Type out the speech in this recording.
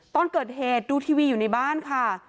ตอนเกิดเหตุดูทีวีอยู่ในบ้านค่ะ